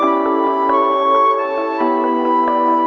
bentar ya bentar